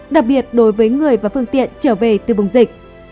đặc biệt đối với người và phương tiện trở về từ vùng dịch